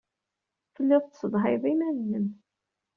Tellid tessedhayed iman-nnem.